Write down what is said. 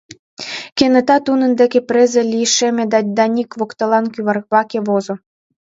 Кенета нунын деке презе лишеме да Даник воктелан кӱварваке возо.